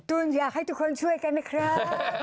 ตูนอยากให้ทุกคนช่วยกันนะครับ